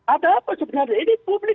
ada apa sebenarnya ini publik